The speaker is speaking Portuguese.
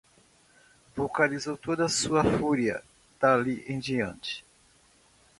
Vocalizou toda a sua fúria dali em diante